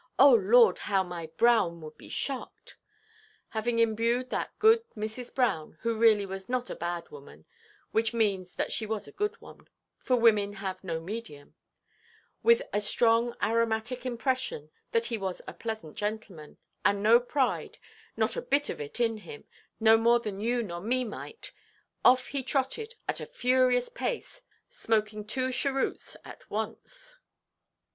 Oh Lord, how my Brown would be shocked!"), having imbued that good Mrs. Brown, who really was not a bad woman—which means that she was a good one, for women have no medium—with a strong aromatic impression that he was a pleasant gentleman, and no pride, not a bit of it, in him, no more than you nor me might,—off he trotted at a furious pace, smoking two cheroots at once.